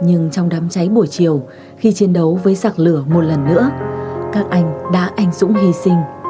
nhưng trong đám cháy buổi chiều khi chiến đấu với giặc lửa một lần nữa các anh đã anh dũng hy sinh